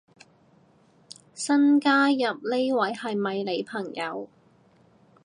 新加入呢位係咪你朋友